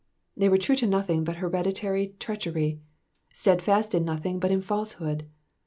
''^ They were true to nothing but hereditary treachery; steadfast in nothing but in falsehood.